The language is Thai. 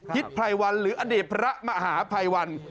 ฮิตไพรวัลหรืออเด็ดพระมหาภัยวัล